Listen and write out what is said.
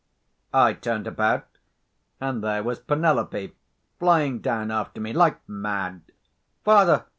I turned about, and there was Penelope flying down after me like mad. "Father!"